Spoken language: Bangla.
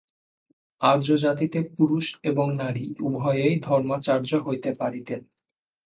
আর্যজাতিতে পুরুষ এবং নারী উভয়েই ধর্মাচার্য হইতে পারিতেন।